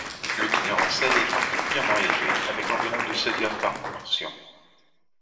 La teneur en sel est particulièrement élevée, avec environ de sodium par portion.